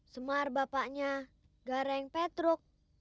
semar bapaknya gareng petruk